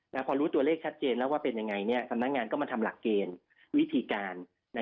พอรู้ตัวเลขชัดเจนแล้วว่าเป็นยังไงสำนักงานก็มาทำหลักเกณฑ์วิธีการ